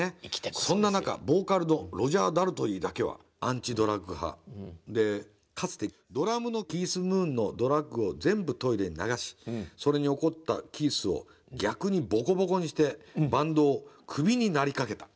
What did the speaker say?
「そんな中ボーカルのロジャー・ダルトリーだけはアンチドラッグ派でかつてドラムのキース・ムーンのドラッグを全部トイレに流しそれに怒ったキースを逆にボコボコにしてバンドをクビになりかけた」。